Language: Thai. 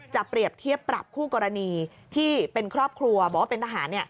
เปรียบเทียบปรับคู่กรณีที่เป็นครอบครัวบอกว่าเป็นทหาร